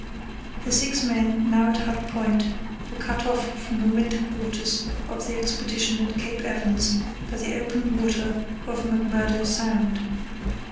The six men now at Hut Point were cut off from the winter quarters of the Expedition at Cape Evans by the open water of McMurdo Sound.